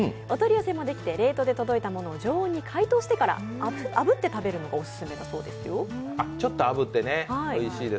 お取り寄せもできて、冷凍で届いたものを常温に解凍してからあぶって食べるのがおすすめだそうですよ。